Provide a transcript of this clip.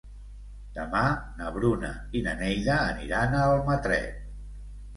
Demà na Bruna i na Neida aniran a Almatret.